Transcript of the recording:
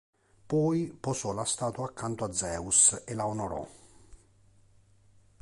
Poi posò la statua accanto a Zeus e la onorò.